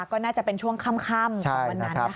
ก็น่าจะเป็นช่วงค่ำของวันนั้นนะคะ